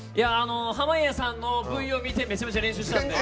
濱家さんのＶを見てめちゃめちゃ練習したんで。